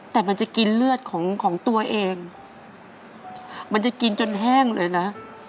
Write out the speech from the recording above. แต่มันจะกินเลือดของของตัวเองมันจะกินจนแห้งเลยนะ